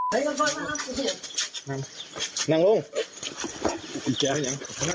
พระอยู่ที่ตะบนมไพรครับ